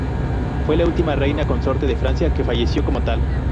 Fue la última Reina consorte de Francia que falleció como tal.